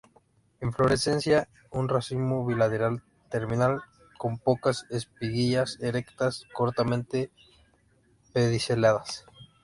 Inflorescencia un racimo bilateral, terminal, con pocas espiguillas erectas, cortamente pediceladas.